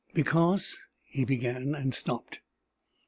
"Because...." he began, and stopped.